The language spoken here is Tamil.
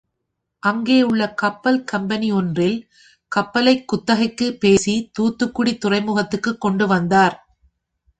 அங்கே உள்ள கப்பல் கம்பெனி ஒன்றில், கப்பலைக் குத்தகைக்குப் பேசி தூத்துக்குடி துறைமுகத்துக்கு கொண்டு வந்தார்.